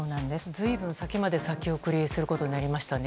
随分先まで先送りすることになりましたね。